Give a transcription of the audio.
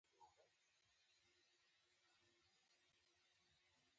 د سترګو د لید لپاره د څه شي اوبه وڅښم؟